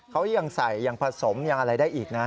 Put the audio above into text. เขายังใส่ยังผสมยังอะไรได้อีกนะ